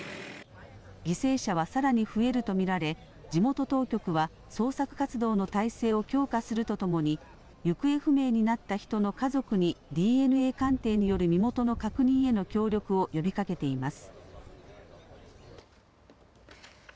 犠牲者はさらに増えると見られ地元当局は捜索活動の態勢を強化するとともに行方不明になった人の家族にＤＮＡ鑑定による身元の確認への協力を呼びかけています。